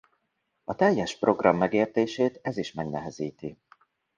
A teljes program megértését ez is megnehezíti.